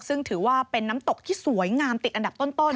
ซึ่งถือว่าเป็นน้ำตกที่สวยงามติดอันดับต้น